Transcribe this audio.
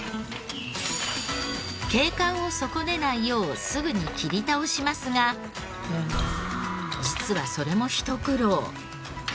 景観を損ねないようすぐに切り倒しますが実はそれもひと苦労。